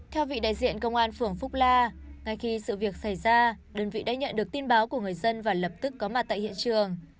theo vị đại diện công an phường phúc la ngay khi sự việc xảy ra đơn vị đã nhận được tin báo của người dân và lập tức có mặt tại hiện trường